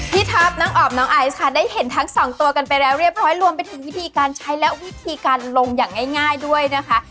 ท็อปน้องออมน้องไอซ์ค่ะได้เห็นทั้งสองตัวกันไปแล้วเรียบร้อยรวมไปถึงวิธีการใช้และวิธีการลงอย่างง่ายด้วยนะคะ